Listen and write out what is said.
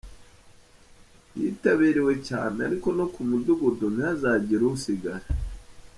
Yitabiriwe cyane, ariko no ku mudugudu ntihazagire usigara.